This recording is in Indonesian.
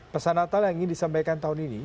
pesan natal yang ingin disampaikan tahun ini